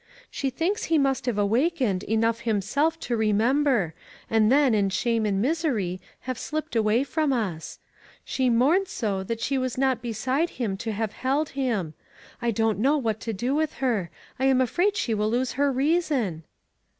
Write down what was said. She thinks he must have awakened, enough himself to remember, and then, iu ghame and misery, have slipped away from us.' She mourns so, that she was iiot be 486 ONE COMMONPLACE DAY. side him to have held him. I don't know what to do with her ; I am afraid she will lose her reason."